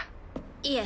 いえ。